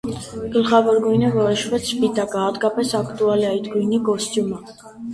Գլխավոր գույնը որոշվեց սպիտակը, հատկապես ակտուալ է այդ գույնի կոստյումը։